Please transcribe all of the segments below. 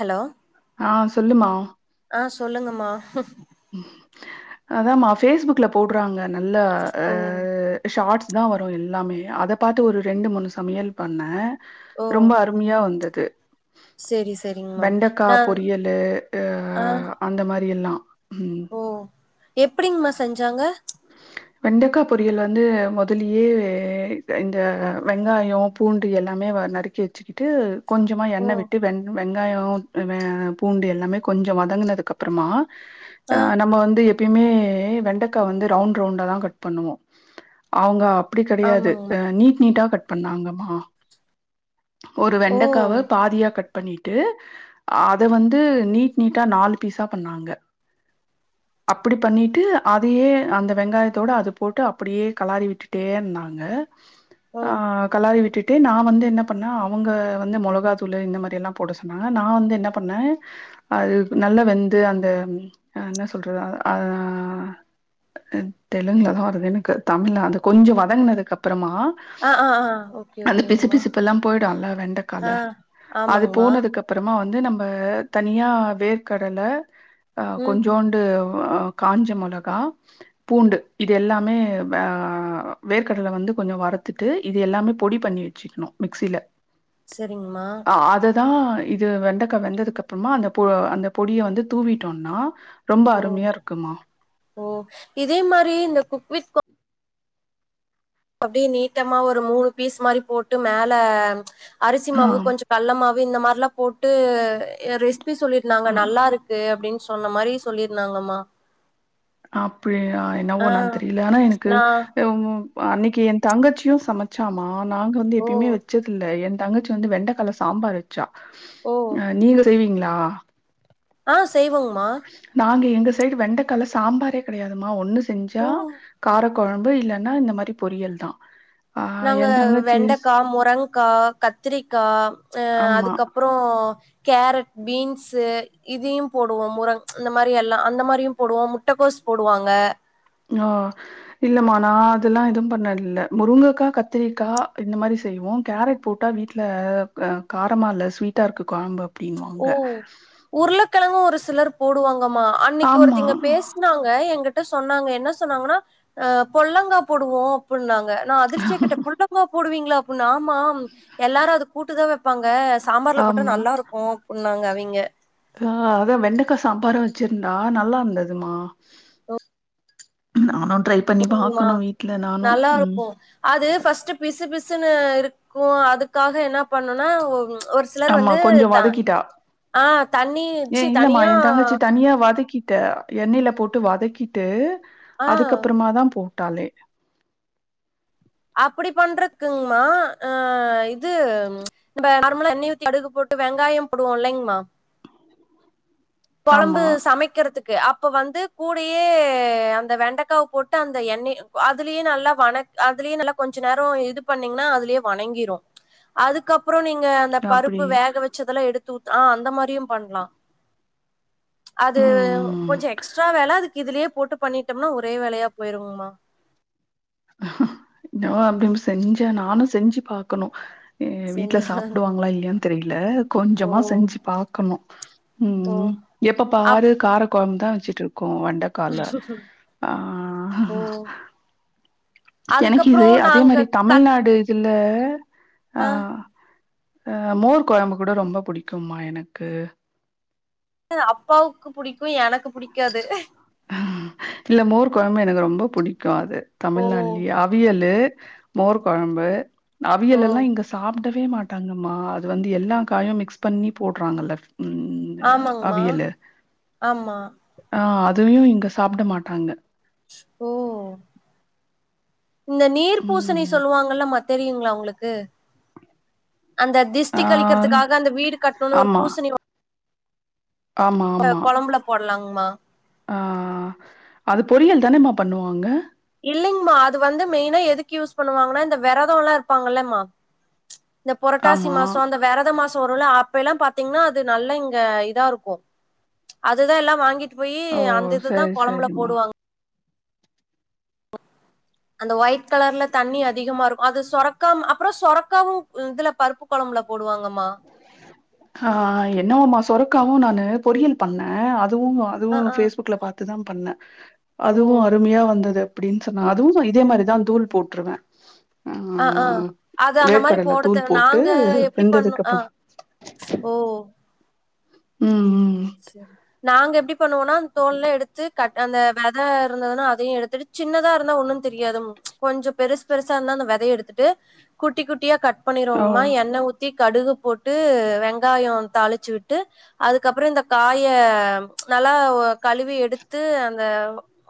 Hello ஆ சொல்லுமா ஆ சொல்லுங்கம்மா அதா மா ஃபேஸ்புக்ல போடுறாங்க நல்ல ஓ அ ஷாட்ஸ் லதா வரு எல்லாமே அத பாத்து ஒரு ரெண்டு மூணு சமையல் பண்ண ஓ ரொம்ப அருமையா வந்துது செரி செரிங்க மேம் வெண்டக்கா நா பொரியலு அ ஆ அந்த மாரி எல்லா ம் ஓ எப்படிங்மா செஞ்சாங்க வெண்டக்கா பொரியல் வந்து முதலியே இந்த வெங்காயே பூண்டு எல்லாமே வ நறுக்கி வச்சக்கிட்டு கொஞ்சமா ஓ எண்ணெய் விட்டு வே வே ங்காயம் ஆ பூண்டு எல்லாமே கொஞ்ச வதங்கினதுக்கு அப்புறமா ஆ நம்ம வந்து எப்பயுமே வெண்டைக்கா வந்து ரவுண்ட் ரவுண்டா தா கட் பண்ணுவோ அவுங்க அப்புடி கிடையாது ஆமாங்மா ஆ நீட் நீட்டா கட் பண்ணாங்கம்மா ஒரு ஓ வெண்டக்காவ பாதியா கட் பண்ணிட்டு அத வந்து நீட் நீட்டா நாலு பீஸா பண்ணாங்க அப்படி பண்ணிட்டு அதையே அந்த வெங்காயத்தோட அத போட்டு அப்படியே கெலாரி விட்டுட்டே இருந்தாங்க ஓ ஆ கெலாரி விட்டுட் டு நா வந்து என்ன பண்ணே அவுங்க வந்து மொளகாத்தூளு இந்த மாரி எல்லா போட சொன்னாங்க நா வந்து என்ன பண்ணே அது நல்லா வெந்து அந்த அ என்ன சொல்றது அ அ தெலுங்குலதா வருது எனக்கு தமிழ்ல அது கொஞ்ச வதங்குனதுக்கப்பறமா ஆ ஆ ஆ ஓகே அந்த பிசு ஓகேங்மா பிசுப்பு எல்லா போயிடுல வெண்டக்கால ஆ அது ஆமாங்மா போனதுக்கப் பறமா வந்து நம்ப தனியா வேர்க்கடல அ ம் கொஞ்சோண்டு அ காஞ்ச மொளகா பூண்டு இது எல்லாமே ஆ வேர்க்கடல வந்து கொஞ்ச வறுத் துட்டு இது எல்லாமே பொடி பண்ணி வெச்சுக்ணு மிக்ஸில செரிங்மா அததா இது வெண்டக்கா வெந்ததுக்கு அப்புறமா அந்த பொ அந்த பொடிய வந்து தூவிட்டோனா ரொம்ப ஓ அருமையா இருக்குமா ஓ இதே மாரி இந்த குக்வித் கோ அப்டியே நீட்டமா ஒரு மூணு பீஸ் மாரி போட்டு மேல அரிசி ஆ மாவு கொஞ்ச கல்ல மாவு இந்த மார்லா போட்டு எ ரெசிபி சொல்லிருந்தாங்க ஆ நல்லா இருக்கு அப்டின் சொன்ன மாரி சொல்லிருந்தாங்கம்மா அப்புடியா ஆ என்னவோ நா தெரில ஆனா எனக்கு நா அன்னைக்கு எ தங்கச்சியு சம ச்சாமா நாங்க வந்து ஓ எப்பயுமே வெச்சதில்ல எ தங்கச்சி வந்து வெண்டக்கால சாம்பார் வெச்சா ஓ அ நீங்க செய்விங்ளா ஆ செய்வோங்மா நாங்க எங்க சைடு வெண்டைக்கால சாம்பாரே கெடையாதுமா ஒன்னு செஞ்சா ஓ கார கொழம்பு இல்லன்னா இந்த மாரி பொரியல்தா நாங்க வெண்டக்கா முரங்க்கா கத்திரிக்கா அ ஆமா அதுக்கப்பறோ கேரட் பீன்ஸு இதையு போடுவோ முரங் இந்த மாரியெல்லா அந்த மாரியு போடுவோ முட்டகோஸ் போடுவாங்க நா இல்லம்மா நா அதெல்லா எது பண்ணதுல்ல முருங்கக்கா கத்திரிக்கா இந்த மாரி செய்வோ கேரட் போட் டா வீட்ல காரமா இல்ல ஸ்வீட்டா இருக்கு கொழம்பு அப்டின்வாங்க உருளக்கெழங்கு ஒரு சிலர் போடுவாங்கம்மா அன்னிக்கு ஆமா ஒருத்திங்க பேஷ் ஆமாங்க ஏகிட்ட சொன்னாங்க என்ன சொன்னாங்கன்னா அ பொல்லங்கா போடுவோ அப்ன்னாங்க நா அதிர்ச்சியா கேட்ட பொல்லங்கா போடுவீங்களா அப்ன்னா ஆமாா எல்லாரு அது கூட்டுதா வெப்பாங்க சாம்பார்ல போட்டா ஆமா நல்லாருக்கு அப்ன்னாங்க அவிங்க கா அதா வெண்டக்கா சாம்பாரா வச்சிருந்தா நல்லா இருந்ததுமா நானு ட்ரை பண்ணி ஆமா. பாக்குணு வீட்ல நானு உ நல்லாருக்கும். அது ஃபர்ஸ்ட்டு பிசு பிசுன்னு இருக்கு அதுக்காக என்னா பண்ணுனா ஆமா கொஞ்ச வதக்கிட்டா ஆ தண்ணி ஏ ச்சீ இல்லமா தனியா எ தங்கச்சி தனியா வதக்கி த எண்ணெய்ல போட்டு வதக்கிட்டு ஆ அதுக்கப்றமா தா போட்டாலே அப்டி பண்றத்திக்ங்மா அ இது நம்ப நார்மலா எண்ணெய ஊத்தி கடுகு போட்டு வெங்காயம் போடுவோ இல்லைங்மா கொழம்பு ஆமா சமைக்கிறதுக் கு அப்ப வந்து கூடயே அந்த வெண்டக்காவ போட்டு அந்த எண்ணெய அதுலயே நல்லா வனக் அதுலயே நல்லா கொஞ்ச நேர இது பண்ணிங்னா அதுலயே வணங்கிரு அதுக்கப்புற நீங்க அந்த அப்டி பருப்பு வேக வெச்சதெல்லா எடுத்து ஊத் ஆ அந்த மாரியு பண்லா அது ம் கொஞ்ச எக்ஸ்ட்ரா வேல அதுக்கு இதுலே போட்டு பண்ணிட்டம்னா ஒரே வேலயா பொயிருங்மா நா அப்டிங் செஞ்சோ நானு செஞ்சி பாக்கணு ஏ வீட்ல செஞ்சு சாப்டுவாங்ளா இல்லையான் தெரில ஓ கொஞ்சமா செஞ்சி பாக்கணு ஓ ம் எப்ப அப் பாரு கார கொழம்பு தா வெச்சிட் இருக் க்கு வெண்டக்கால அ ஓ எனக்கு அதுக்கப்புறோ இது அதே நாங்க மாரி கத் தமிழ்நாடு இதுல ஆ அ மோர் கொழம்பு கூட ரொம்ப பிடிக்கும்மா எனக்கு அப்பாவுக்கு பிடிக்கு எனக்கு புடிக்காது இல்ல மோர் கொழம்பு எனக்கு ரொம்ப புடிக்கு அது ஓ தமிழ்நாடுலயே அவியலு மோர்க்கொழம்பு ஓ அவியல் எல்லா இங்க சாப்டவே மாட்டாங்கம்மா அது வந்து எல்லா காயு மிக்ஸ் பண்ணி போட்றாங்கல ம் ஆமாங்மா அவியலு ஆமா ஆ அதுலியு இங்க சாப்ட மாட்டாங்க ஓ இந்த நீர்பூசணி ம் சொல்லுவாங்கலமா தெரியுங்ளா ஒங்ளுக்கு அந்த திஸ் ட்டி ஆ கழிக்கிறதுக்காக அந்த வீடு கட்ணோன ஒரு ஆமா பூசணி ஆமா ஆமா கொழம்புல போடலாங்மா ஆ அது பொரியல் தானேமா பண்ணுவாங்க இல்லைங்கமா அது வந்து மெயினா எதுக்கு யூஸ் பண்ணுவாங்கன்னா இந்த வெரதோலா இருப்பாங்கல்லமா இந்த புரட்டாசி ஆமா மாசோ அந்த வெரத மாசோ வருல அப்பெல்லா பாத்தீங்கன்னா அது நல்லா இதா இருக்கு அதுதா எல்லா வாங்கிட்டு போயி ஓ அந்த இதுதா சரி கொழம்புல சரிம்மா போடுவாங்க அந்த ஒயிட் கலர்ல தண்ணி அதிகமா இருக்கு அது சொரக்காம் அப்றோ சொரக்காவு இதுல பருப்பு கொழம்புல போடுவாங்கம்மா ஆ என்னாமா சொரக்காவு நானு பொறியல் பண்ணே அதுவு அதுவு ஆ ஆ பேஸ்புக்ல பாத்துதா பண்ணே அதுவு ஓ அருமையா வந்தது அப்டின் சொன்னா அதுவுதா இதே மாரிதா தூள் போட்ருவே அ ஆ அது அந்த மாரி வேர்க்கடல தூள் போடத்தேவல போட்டு நாங்க எப்டி பண்ணும் அ வெந்ததுக்கப்புறம் ஓ ம் ம் சரி நாங்க எப்படி பண்ணுவோம்னா சேரி‌ நாங்க எப்டி பண்ணுவோனா அந்த தோல்ல எடுத்து கட அந்த வெத இருந்ததுன்னா அதையும் எடுத்துட்டு சின்னதா இருந்தா ஒன்னும் தெரியாது கொஞ்சம் பெருசு பெருசா இருந்தா அந்த விதை எடுத்துட்டு குட்டி குட்டியா க ட் ஓ! பண்ணிருவோங்கம்மா என்ன ஊத் த்தி கடுகு போட்டு வெங்காயம் தாளிச்சு விட்டு அதுக்கப்பறோ இந்த காய நல்லா கழுவி எடுத்து அந்த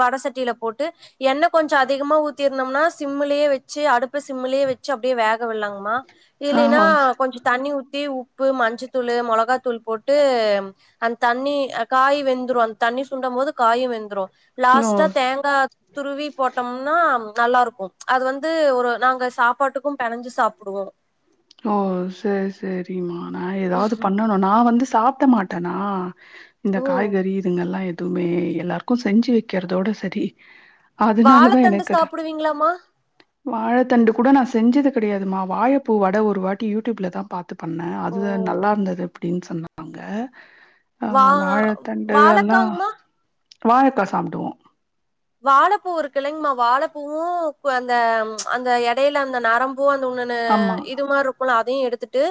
வட சட்டியில போட்டு எண்ண கொஞ்சம் அதிகமா ஊத்திருந்தோம்னா சிம்மலேயே வச்சு அடுப்பு சிம்மலயே வச்சு அப்டியே வேக விட்லாங்கமா ஆ இல்லைன்னா ஸ் கொஞ்சம் தண்ணி ஊத்தி உப்பு மஞ்சத்தூள் மிளகாத்தூள் போட்டு அந் தண்ணி் காய் வெந்துடும் அந்த தண்ணி சுண்டும் போது காயும் வெந்துடும் ஓ! லாஸ்டா தேங்கா துருவி போட்டோம்னா நல்லா இருக்கும் அது வந்து ஒரு நாங்க சாப்பாட்டுக்கும் பெனஞ்சு சாப்பிடுவோம் ஓ சரி சரிம்மா நான் ஏதாவது பண்ணனும் நான் வந்து சாப்பிட மாட்டேனா இந்த ஓ காய்கறி இதுங்க எல்லாம் எதுவுமே எல்லாருக்கும் செஞ்சு வைக்கிறதோட செரி அதனாலதான் வாழத்தண்டு எனக் அது சாப்டுவீங்களாமா வாழைத்தண்டு கூட நான் செஞ்சது கிடையாதுமா வாழைப்பூ வடை ஒரு வாட்டி யூடியூப்ல தான் பாத் து பண்ண ஓ அது நல்லா இருந்தது அப்டின்னு சொன்னாங்க வா வாழைத்தண்டுகள்ல்லாம் வாழக்காங்மா வாழைக்காய் சாப்பிடுவோம் வாழைப்பூ ஒரு கிழங்மா வாழைப்பூவும் அந்த அந்த இடையில அந்த நரம் அப்போ அந்த உண்ணு ஆமா. இது மாரி இருக்கும் அதையும் எடுத்துட்டு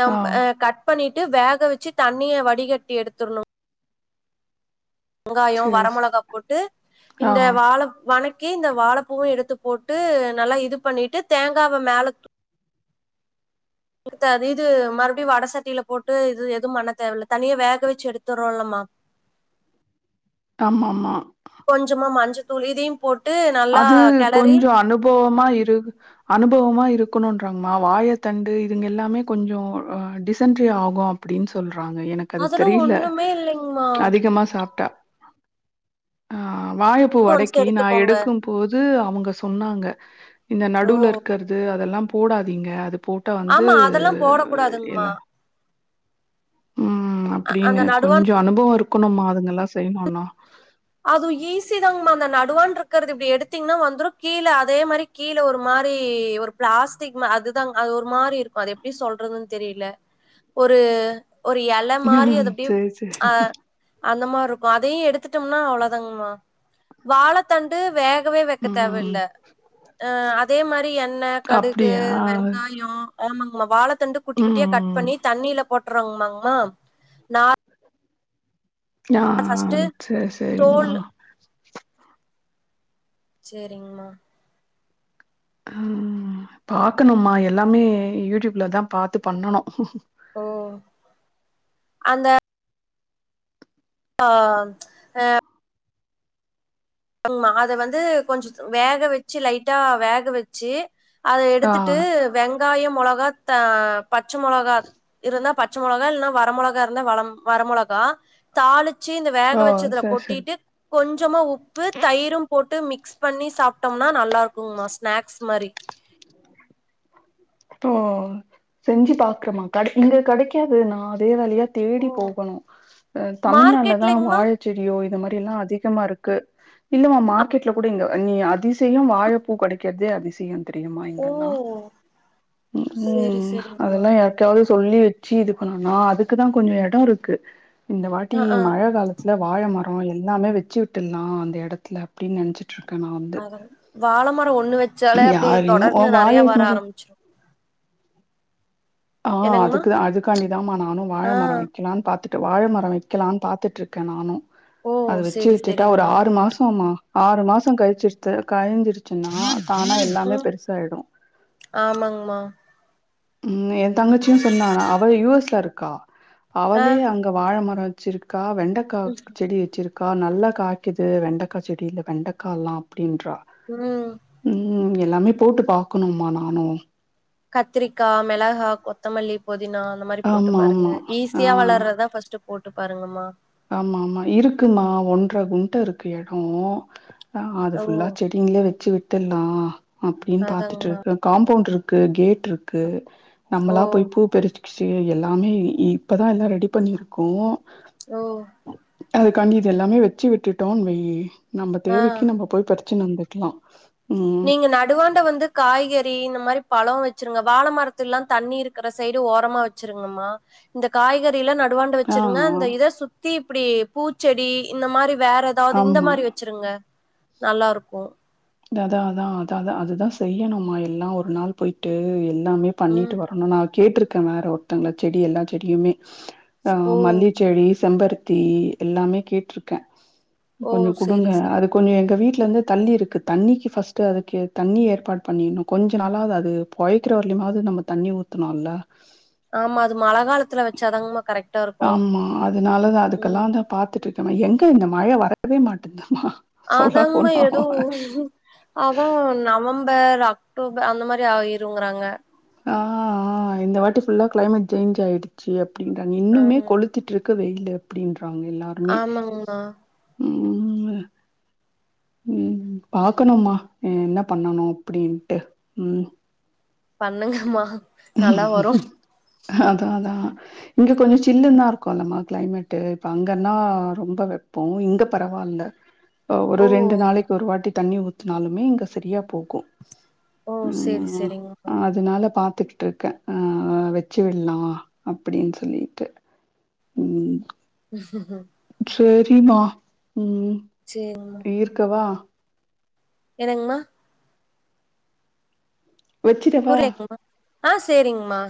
நம் ஆ க ட்பண்ணிட்டு வேக வச்சு தண்ணியை வடிகட்டி எடுத்துடணும் வெங்காயம் வர சரி, சரி. மொளகா போட்டு ஆ இந்த வாழ வணக் இந்த வாழைப்பூவும் எடுத்து போட்டு நல்லா இது பண்ணிட்டு தேங்காவ மேல து இது மறுபடியும் வடை சட்டியில போட்டு இது எதுவும் பண்ண தேவையில்ல தனியே வேக வச்சு எடுத்தறோம் ல மா ஆமா ஆமா கொஞ்சமா மஞ்சள்த்தூள் இதையும் போட்டு நல்லா கிளறி போவமா இரு அனுபவமா இருக்கணும்ன்றாமா வாழ தண்டு இதுங்க எல்லாமே கொஞ்சோ ஆ டிசென்ட்ரி ஆகு அப்டின்னு சொல்றாங்க எனக்கு அது அதெல்லா தெரில ஒண்ணுமே இல்லைங்மா அதிகமா சாப்ட்டா ஆ வாழப்பூ ஒன்ஸ் வடைக்கி நா எடுத்துக்கோங்க எடுக் போது அவங்க சொன்னாங்க இந்த ஓ நடுல இருக்கிறது அதெல்லாம் போடாதீங்க அது போ ட்டு வந்து ஆமா அதெல்லா போடக் இல்ல கூடாதுங்மா ம் அந்த அப்டின்னு நடுவான் கொஞ்ச அனுபவம் இருக்கணும்மா அதுங்கல்லாம் செய்யணும்னா அது ஈஸி தாங்கமா அந்த நடுவானடா இருக்கிறது இப்டி எடுத்தீங்கன்னா வந்துடும் கீழே அதே மாரி கீழே ஒரு மாரி ஒரு பிளாஸ்டிக் அதுதா அது ஒரு மாரி இருக்கும் அது எப்டி சொல்றதுன்னு தெரில ஒரு ஒரு இலை மாரி ம். அது அப்டே சரி, சரி. ஆ அந்த மாரி இருக்கும் அதையும் எடுத்துட்டோம்னா அவ்ளோ தாங்கமா வாழ வாழ தண்டு வேகவே வைக்க ம். தேவையில்ல. ஆ அதே மாரி எண்ண கடுகு அப்படியா? வெங்காயம் ஆமாங்கமா வாழைத்தண்டு குட்டி குட்டியா கட் ம். பண்ணி தண்ணில போட்டுறோங்கமாங்கமா நா ஆ ஃபர்ஸ்ட் சேரி சேரிம்மா தோல் சேரிங்மா ஆ பாக்கணும்மா எல்லாமே யூடியூப்ல தான் பாத்து பண்ணணும். ஓ அந்த ஆ எ ஆ அது வந்து கொஞ்ச வேக வச்சு லைட்டா வேக வச்சு அத ஆ. எடுத்துட்டு வெங்காய மிளகா பச்ச முளகா இருந்தா பச்ச முளகா இல்லன்னா வர முளகா இருந்தா வர மொளகா தாளிச்சு இந்த வேக ஓ! வச்சதுல சரி, சரி. கொட்டிட்டு கொஞ்சமா உப்பு உப்பு தயிரு போட்டு மிக்ஸ் பண்ணி சாப்ட்டோம்னா நல்லா இருக்குங்கமா ஸ்நாக்ஸ் மாரி ஓ செஞ்சு பாக்குறேமா இங்க கிடைக்காது நா அதே வேலைய தேடி போகணு ஹ தமிழ்நாடுல தா மார்க்கெட்லங்மா வாழச்செடியோ இது மாரி எல்லா அதிகமா இருக்கு இல்லமா மார்க்கெட்ல கூட இங்க நீ அதிசய வாழைப்பூ கிடைக்கிறதே அதிசய்ய தெரியுமா ஓ இங்கெல்லா செரி ம் செரிங்மா அதெல்லா யாருக்காவது சொல்லி வச்சு இதுக்கணும்னா அதுக்கு தா கொஞ்ச இட இருக்கு இந்த வாட்டி ஆ ஆ மழை காலத்துல வாழை மர எல்லாமே வச்சு விட்டுலா அந்த இடத்துல அப்டின்னு நெனைச்சிட்டு அத வாழமர ஒண்ணு வச்சாலே அப்டி யாரையும் ஓ தொடர்ந்து நெறைய வாழை வர மரம் ஆரம்பிச்சிரு ஆ ஹா என்னங்மா அதுக்கு அதுக்கண்டிதமா நானு வாழ மர ஆ வைக்கலான்னு பாத்து வாழமர வைக்கலான்னு பாத்துட்டு இருக்க நானு ஓ! அது வச்சு சரி, விட்டுட்டா ஒரு சரிங்கம்மா. ஆறு மாச மா ஆறு மாச கழிச்சுடு கழிஞ்சிருச்சுன்னா தானா எல்லாமே பெருசாயிடு ஆமாங்கமா ம் எய தங்கச்சியும் சொன்னா அவ யூ எஸ் ல இருக்கா ஆ. அவளே அங்க வாழை மர வச்சிருக்கா வெண்டக்கா ம், செடி வச்சிருக்க அக்கா நல்லா காய்க்கது வெண்டைக்கா செடில வெண்டக்கால்லா அப்டின்றா ம் ம் எல்லாமே போட்டு பாக்கணும்மா நானு கத்திரிக்கா மிளகா கொத்தமல்லி பெதினா அந்த மாரி போட்டு ஆமா ஆமா பாருங்க ஆ ஈஸியா வளர்ற தா ஃபர்ஸ்ட் போட்டு பாருங்கமா ஆமா ஆமா இருக்குமா ஒன்ற குண்ட இருக்கு இட அது ஓ! ஃபுல்லா செடி நீங்களே வச்சு விட்டுலா அப்டின்னு பாத்துட்டு அதாங்கம்மா. இருக்கு காம்பௌண்ட் இருக்கு கேட் இருக்கு இருக்கு ஓ! நம்மள போய் பூ பறிச்சு எல்லாமே இப்பதா எல்லா ரெடி பண்ணிருக்கோ ஓ அதுக்காண்டி இது எல்லாமே வச்சு விட்டுட்டோம்னு வெய் நம்ம ஆ. தேவைக்கு நம்ம போய் பரிச்சுட்டு வந்துக்கலா நீங்க நடுவாண்ட வந்து காய்கறி இந்த மாதிரி பழ வச்சிருங்க வாழ மரத்து எல்லா தண்ணி இருக்கிற சைடு ஓரமா வச்சிருங்கம்மா இந்த காய்கறி நடுவாண்ட ஆ, வச்சிருங்க ஆ. இந்த இத சுத்தி இப்டி பூச்செடி இந்த மாதிரி வேற அதாவது இந்த ஆமா. மாதிரி வச்சிருங்க நல்லா இருக்கு அதா அதா அத அதுதா செய்யணும்மா எல்லா ஒரு நாள் போயிட்டு எல்லாமே ம். பண்ணிட்டு வரணு நான் கேட்டிருக்க வேற ஒருத்தங்கள செடி எல்லா செடியுமே ஓ! மல்லிக செடி செம்பருத்தி எல்லாமே கேட்டுருக்க ஓ கொஞ்ச செரி கொடுங்க அது செரிங்க கொஞ்ச எங்க வீட்டு்ல இருந்து தள்ளி இருக்குது தண்ணிக்கு ஃபாஸ்ட் அதுக்கு தண்ணி ஏற்பாடு பண்ணிருன்னு கொஞ்ச நாளாவது அது பொழைக்கிற வரையமாவது நம்ம தண்ணி ஊற்ற த்துனுல ஆமா அது மழ காத்துல வச்சாதங்கமா கரெக்ட் ஆமா அதனாலதா அதுக்கெல்லா த பாத்துட்டு இருக்கங்க எங்க இந்த மழ வரவே மாட்தாமா அதாங்கமா ஏதோ அதா நவம்பர் அக்டோபர் அந்த மாதிரி ஆ இருங்கறாங்க ஆ ஆ இந்த வாட்டி ஃபுல்லா கிளைமேட் சேஞ்ச் ஆயிடுச்சு ச அப்டின்றாங்க இன்னுமே ஆமா கொளுத்துட்டு இருக்க வெயிலு அப்டின்றாங்க எல்லாருமே ஆமாங்கமா ம் ம் பாக்கணும்மா என்ன பண்ணணு அப்டின்ட்டு ம் பண்ணுங்கம்மா நல்லா வரு அதா அதா இங்க கொஞ்சொ சில்லுன்தா இருக்கு நம்ம க்ளைமெட்டு இப்போ அங்கன்னா ரொம்ப வெப்போ இங்க பரவால்ல அ ஒரு ஓ ரெண்டு நாளைக்கு ஒரு வாட்டி தண்ணி ஊத்துனாலுமே இங்க சரியா போகு ஓ சேரி சேரிங்கமா அதுனால பாத்துக்கிட்ருக்க ஆ வச்சு வில்லா அப்டின் சொல்லிட்டு ம் சூப்பர் சேரிம்மா ம் சேங் இருக்கவா என்னங்மா வச்சிடவா? [inaudible] ஆ சேரிங்மா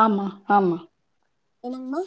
ஆமா ஆமா என்னங்மா